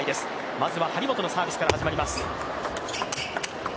まずは張本のサービスから始まります。